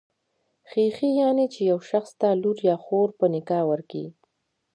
خېښي، يعنی چي يو شخص ته لور يا خور په نکاح ورکي.